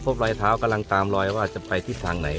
รอยเท้ากำลังตามรอยว่าจะไปที่ทางไหน